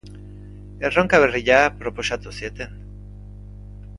Erronka berria proposatu zieten.